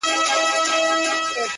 زه د جنتونو و اروا ته مخامخ يمه،